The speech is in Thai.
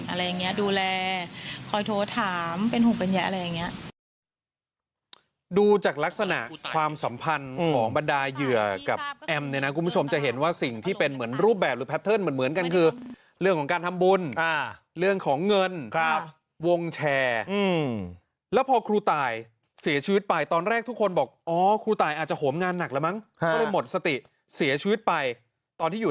อะไรอย่างเงี้ยดูแรกขอโทษถามเป็นหุบเป็นแยะอะไรอย่างเงี้ย